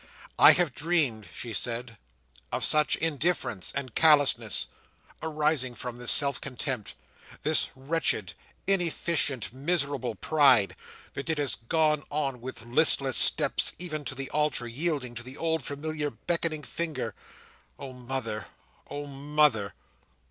"I have dreamed," she said, "of such indifference and callousness, arising from this self contempt; this wretched, inefficient, miserable pride; that it has gone on with listless steps even to the altar, yielding to the old, familiar, beckoning finger,—oh mother, oh mother!